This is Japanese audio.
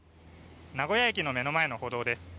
名古屋駅の目の前の歩道です。